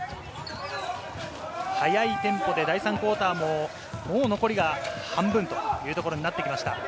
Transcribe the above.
速いテンポで第３クオーターももう残りが半分というところになってきました。